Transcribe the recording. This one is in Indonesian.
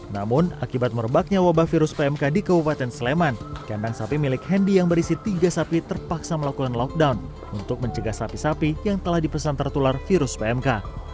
namun akibat merebaknya wabah virus pmk di kabupaten sleman kandang sapi milik hendi yang berisi tiga sapi terpaksa melakukan lockdown untuk mencegah sapi sapi yang telah dipesan tertular virus pmk